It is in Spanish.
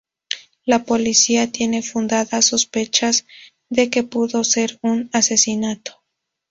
La policía tiene fundadas sospechas de que pudo ser un asesinato.